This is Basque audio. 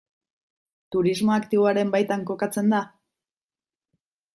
Turismo aktiboaren baitan kokatzen da?